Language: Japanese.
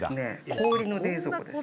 氷の冷蔵庫です。